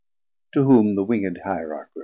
To whom the winged Hierarch repli'd.